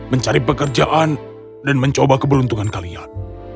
mencari pekerjaan dan mencoba keberuntungan kalian